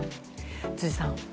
辻さん。